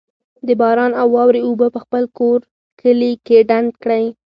د باران او واورې اوبه په خپل کور، کلي کي ډنډ کړئ